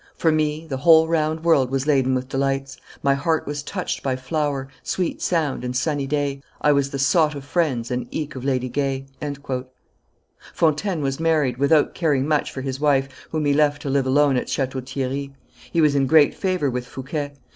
"For me the whole round world was laden with delights; My heart was touched by flower, sweet sound, and sunny day, I was the sought of friends and eke of lady gay." Fontaine was married, without caring much for his wife, whom he left to live alone at Chateau Thierry. He was in great favor with Fouquet.